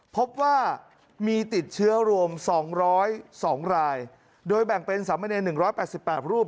พบว่ามีติดเชื้อรวมสองร้อยสองรายโดยแบ่งเป็นสามเมณหนึ่งร้อยแปดสิบแปดรูป